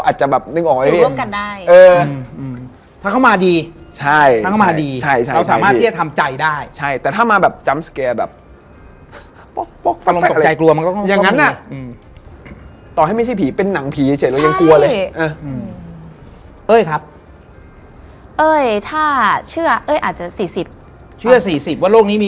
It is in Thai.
เชียวนะมันสวนทางอะไรกันบางอย่างหรือเปล่า